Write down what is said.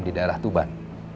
di daerah tuban